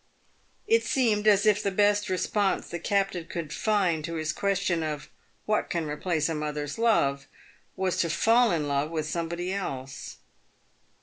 It seemed as if the best response the captain could find to his ques tion of " What can replace a mother's love ?" was to fall in love with somebody else.